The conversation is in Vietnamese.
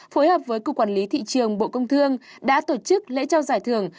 phối hợp với cục quản lý thị trường bộ công thương đã tổ chức lễ trao giải thưởng